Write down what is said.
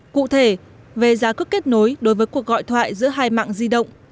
cụ thể về giá cước kết nối đối với cuộc gọi thoại giữa hai mạng di động